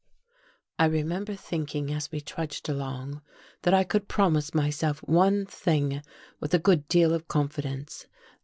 I remember thinking as we trudged along, that I could promise myself one thing with a good deal of confidence.